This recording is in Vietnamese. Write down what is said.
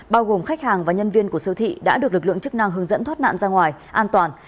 bao gồm khách hàng và nhân viên của siêu thị đã được lực lượng chức năng hướng dẫn thoát nạn ra ngoài an toàn